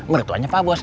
mertuanya pak bos